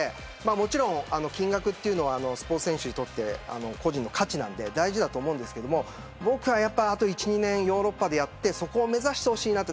もちろん金額というのはスポーツ選手にとって個人の価値なんで大事だと思うんですけど僕はあと１、２年ヨーロッパでやってそこを目指してほしいなと。